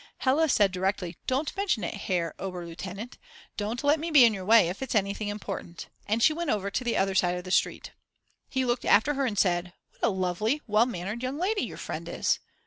Hella said directly: "Don't mention it, Herr Oberleutenant, don't let me be in your way if it's anything important," and she went over to the other side of the street. He looked after her and said: "What a lovely, well mannered young lady your friend is."